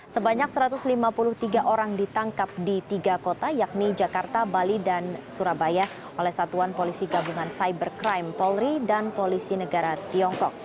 sebanyak satu ratus lima puluh tiga orang ditangkap di tiga kota yakni jakarta bali dan surabaya oleh satuan polisi gabungan cybercrime polri dan polisi negara tiongkok